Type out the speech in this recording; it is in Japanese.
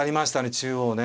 中央ね。